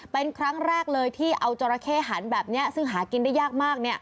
เป็นครั้งแรกเลยที่เอาจราเข้หันแบบนี้ซึ่งหากินได้ยากมาก